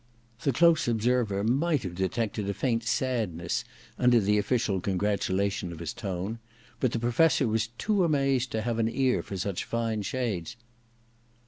The close observer might have detected a faint sadness under the official congratulation of his tone ; but the Professor was too amazed to have an ear for such fine shades.